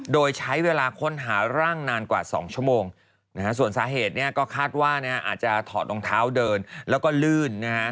โดยใช้เวลาค้นหาร่างนานกว่า๒ชั่วโมงนะฮะส่วนสาเหตุเนี่ยก็คาดว่าอาจจะถอดรองเท้าเดินแล้วก็ลื่นนะฮะ